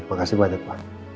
terima kasih banyak pak